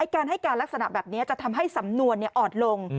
การให้การลักษณะแบบนี้จะทำให้สำนวนอ่อนลง